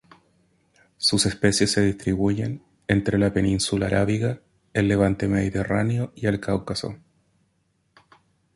Sus especies se distribuyen entre la península arábiga, el Levante mediterráneo y el Cáucaso.